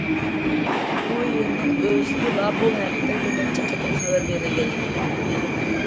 بۇ يىلنىڭ ئۆزىدىلا بۇ ھەقتە بىر نەچچە قېتىم خەۋەر بېرىلگەنىدى.